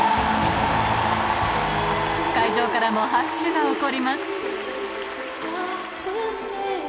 会場からも拍手が起こります